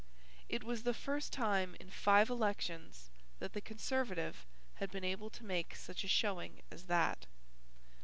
It was the first time in five elections that the Conservative had been able to make such a showing as that.